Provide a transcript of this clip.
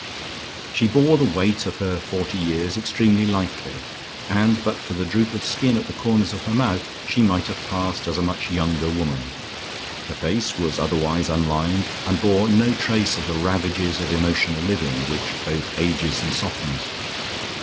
She bore the weight of her forty years extremely lightly, and but for the droop of skin at the corners of her mouth, she might have passed as a much younger woman. Her face was otherwise unlined and bore no trace of the ravages of emotional living, which both ages and softens.